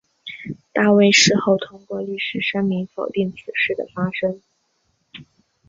大卫事后透过律师声明否定此事的发生。